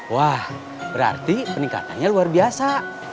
wah berarti peningkatannya luar biasa